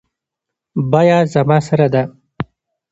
بیه زما سره ده